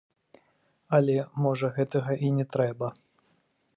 Але, можа, гэтага і не трэба!